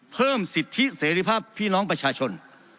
เพิ่มสิทธิเสรีภาพพี่น้องประชาชน